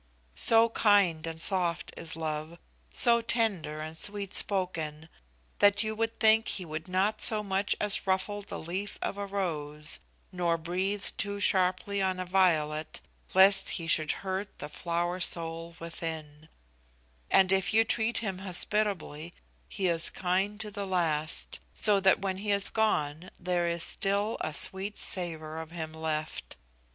So kind and soft is love, so tender and sweet spoken, that you would think he would not so much as ruffle the leaf of a rose, nor breathe too sharply on a violet, lest he should hurt the flower soul within; and if you treat him hospitably he is kind to the last, so that when he is gone there is still a sweet savor of him left.